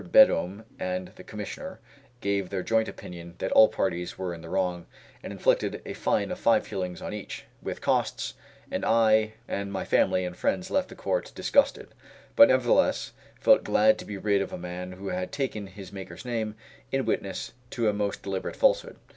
Beddome, and the Commissioner, gave their joint opinion that all parties were in the wrong, and inflicted a fine of five shillings on each, with costs, and I and my family and friends left the Court disgusted; but, nevertheless, felt glad to be rid of a man who had taken his Maker's name in witness to a most deliberate falsehood.